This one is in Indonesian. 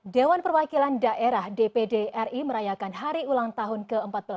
dewan perwakilan daerah dpd ri merayakan hari ulang tahun ke empat belas